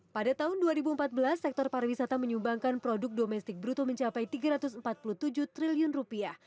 pada tahun dua ribu empat belas sektor pariwisata menyumbangkan produk domestik bruto mencapai tiga ratus empat puluh tujuh triliun rupiah